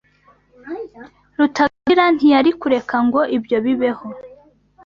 Rutaganira ntiyari kureka ngo ibyo bibeho.